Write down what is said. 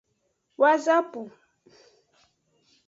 Wazapu.